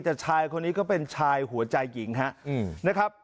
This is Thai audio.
แต่ชายคนนี้ก็เป็นชายหัวใจหญิงครับนะครับ